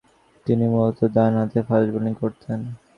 তিনি মূলতঃ ডানহাতে ফাস্ট বোলিং করতেন।